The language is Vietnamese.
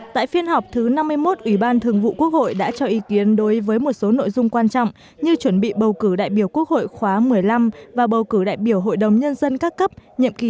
tại phiên họp thứ năm mươi một ủy ban thường vụ quốc hội đã cho ý kiến đối với một số nội dung quan trọng như chuẩn bị bầu cử đại biểu quốc hội khóa một mươi năm và bầu cử đại biểu hội đồng nhân dân các cấp nhiệm kỳ hai nghìn hai mươi một hai nghìn hai mươi